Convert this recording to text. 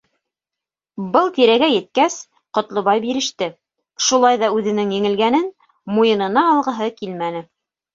Был тирәгә еткәс, Ҡотлобай биреште, шулай ҙа үҙенең еңелгәнен муйынына алғыһы килмәне.